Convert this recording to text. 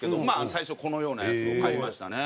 最初このようなやつを買いましたね。